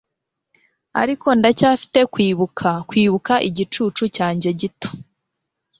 ariko ndacyafite kwibuka kwibuka igicucu cyanjye gito